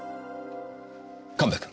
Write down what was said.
神戸君。